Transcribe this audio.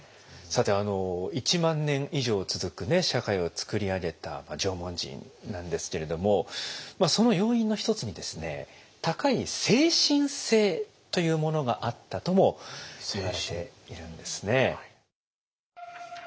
さて１万年以上続く社会を作り上げた縄文人なんですけれどもその要因の一つにですね高い精神性というものがあったともいわれているんですね。